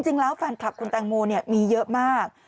จริงแล้วแฟนคลับคุณแตงโมมีเยอะมาก